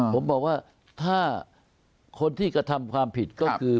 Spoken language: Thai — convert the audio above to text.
ผมบอกว่าถ้าคนที่กระทำความผิดก็คือ